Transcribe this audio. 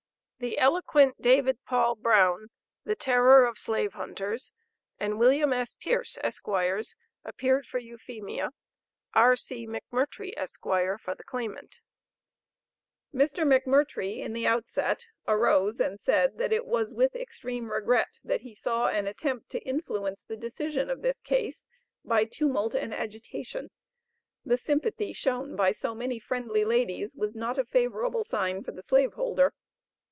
The eloquent David Paul Brown (the terror of slave hunters) and William S. Pierce, Esqrs., appeared for Euphemia, R.C. McMurtrie, Esq., for the claimant. Mr. McMurtrie in the outset, arose and said, that it was with extreme regret that he saw an attempt to influence the decision of this case by tumult and agitation. The sympathy shown by so many friendly ladies, was not a favorable sign for the slave holder.